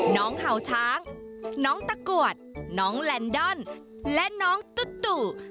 เห่าช้างน้องตะกรวดน้องแลนดอนและน้องตุ